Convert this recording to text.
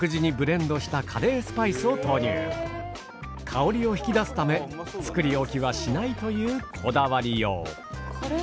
香りを引き出すため作り置きはしないというこだわりよう。